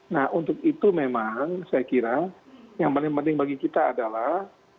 nah untuk itu memang saya kira yang paling penting bagi kita adalah